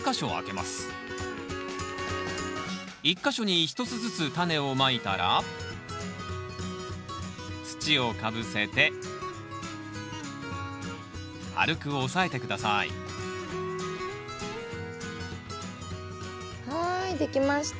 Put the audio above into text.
１か所に１つずつタネをまいたら土をかぶせて軽く押さえて下さいはい出来ました。